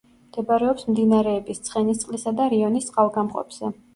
მდებარეობს მდინარეების ცხენისწყლისა და რიონის წყალგამყოფზე.